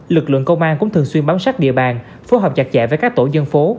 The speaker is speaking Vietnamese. lực lượng công an cũng thường xuyên bám sát địa bàn phối hợp chặt chẽ với các tổ dân phố